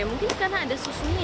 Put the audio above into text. mungkin karena ada susunya